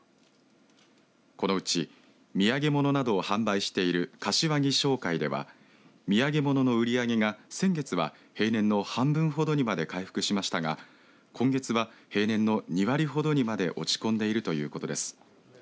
このうち土産物などを販売している柏木商会では土産物の売り上げが先月は平年の半分ほどにまで回復しましたが今月は平年の２割ほどにまで落ち込んでいるということです。